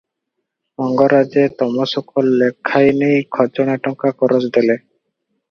ମଙ୍ଗରାଜେ ତମସୁକ ଲେଖାଇନେଇ ଖଜଣା ଟଙ୍କା କରଜ ଦେଲେ ।